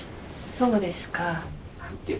そうですか。